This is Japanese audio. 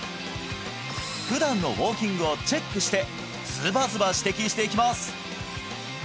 普段のウォーキングをチェックしてズバズバ指摘していきます！